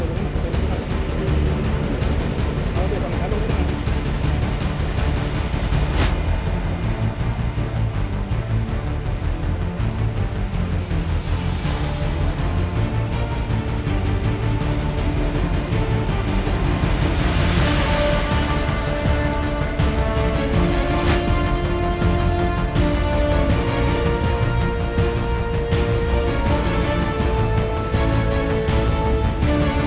โดยโดยงุ่งโดยรุ่นโดยรุ่นโดยรุ่น